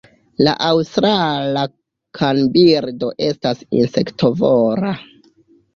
La Aŭstrala kanbirdo estas insektovora.